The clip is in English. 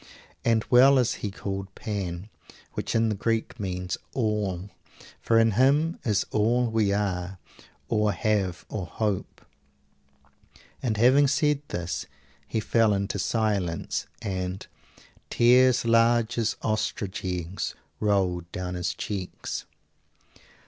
"And well is He called Pan, which in the Greek means 'All'; for in Him is all we are or have or hope." And having said this he fell into silence, and "tears large as ostrich eggs rolled down his cheeks."